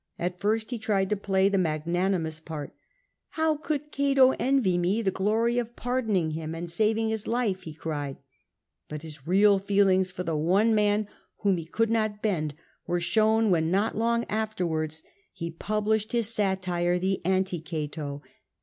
At first he tried to play the magnanimous part : How could Cato envy me the glory of pardoning him and saving his life ?" he cried. But his real feelings for the one man whom he could not bend were shown when, not long afterwards, he published his satire, the Anti Cato."